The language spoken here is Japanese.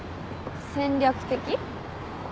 戦略的？